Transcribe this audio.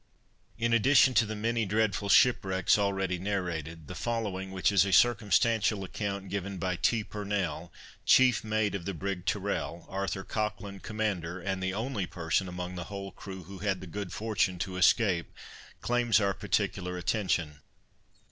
In addition to the many dreadful shipwrecks already narrated, the following, which is a circumstantial account given by T. Purnell, chief mate of the brig Tyrrel, Arthur Cochlan, commander, and the only person among the whole crew who had the good fortune to escape, claims our particular attention.